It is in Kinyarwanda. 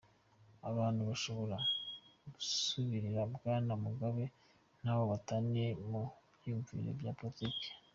Abantu bashobora gusubirira Bwana Mugabe ntaho bataniye mu vyiyumviro vya politike.